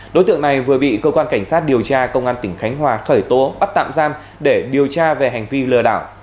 đối tượng này vừa bị cơ quan cảnh sát điều tra công an tỉnh khánh hòa khởi tố bắt tạm giam để điều tra về hành vi lừa đảo